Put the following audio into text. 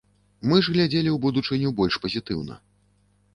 Мы ж глядзелі ў будучыню больш пазітыўна.